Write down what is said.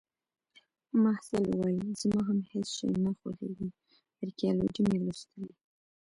محصل وویل: زما هم هیڅ شی نه خوښیږي. ارکیالوجي مې لوستلې